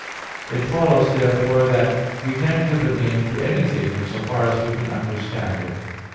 It follows therefore that we can give a name to anything in as far as we can understand it.